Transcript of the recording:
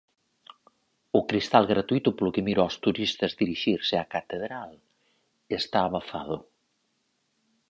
O cristal gratuíto polo que miro aos turistas dirixirse á catedral está abafado.